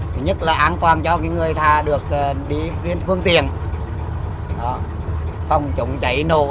thứ nhất là an toàn cho người ta được đi phương tiện phòng chống cháy nổ